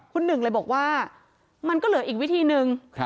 คุณหนึ่งเลยบอกว่ามันก็เหลืออีกวิธีนึง